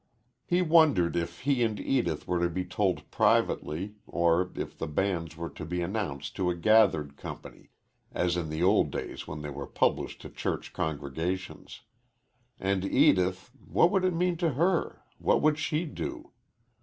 He wondered if he and Edith were to be told privately, or if the bans were to be announced to a gathered company, as in the old days when they were published to church congregations. And Edith what would it mean to her what would she do?